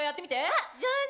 あっ上手！